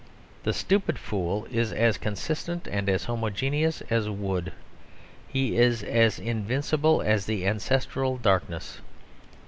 The stupid fool is as consistent and as homogeneous as wood; he is as invincible as the ancestral darkness.